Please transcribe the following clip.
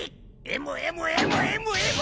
ＭＭＭＭＭ！